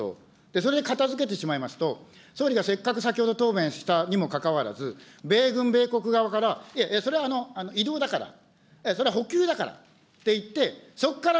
それで片づけてしまいますと、総理がせっかく先ほど答弁したにもかかわらず、米軍、米国側から、いや、それは移動だから、それは補給だからって言って、そこから